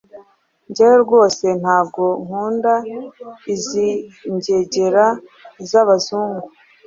Njyewe rwose ntago nkund’izi ngegera zabazungu